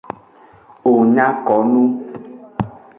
Wo nya ko nu.